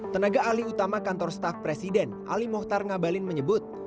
tenaga alih utama kantor staf presiden ali mohtar ngabalin menyebut